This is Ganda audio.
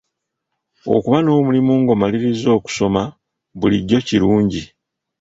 Okuba n'omulimu ng'omalirizza okusoma bulijjo kirungi.